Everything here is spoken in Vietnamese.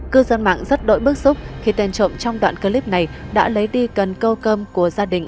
cư dân mạng rất đỗi bức xúc khi tên trộm trong đoạn clip này đã lấy đi cần câu cơm của gia đình